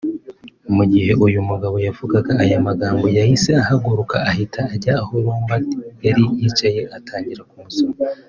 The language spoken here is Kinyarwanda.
Mu gihe uyu mugabo yavugaga aya magambo yahise ahaguruka ahita ajya aho Lombardi yari yicaye atangira kumusoma